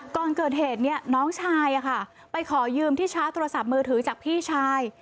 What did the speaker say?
ก่อนเกิดเหตุน้องชายไปขอยืมที่ชาร์จโทรศัพท์มือถือจากพี่ชาย